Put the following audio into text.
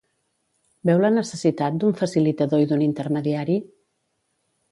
Veu la necessitat d'un facilitador i d'un intermediari?